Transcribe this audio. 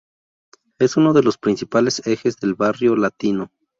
Es uno de los principales ejes del barrio latino.